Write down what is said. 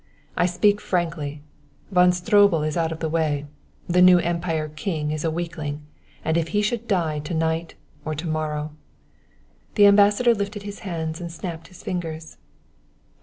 I speak frankly. Von Stroebel is out of the way; the new Emperor king is a weakling, and if he should die to night or to morrow " The Ambassador lifted his hands and snapped his fingers.